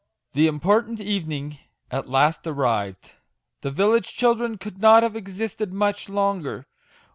The important evening at last arrived. The village children could not have existed much longer.